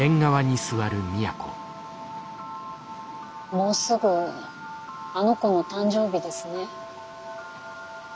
もうすぐあの子の誕生日ですね。